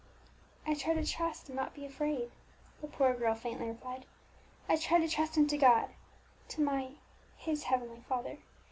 "I try to trust and not be afraid," the poor girl faintly replied. "I try to trust him to God, to my his Heavenly Father.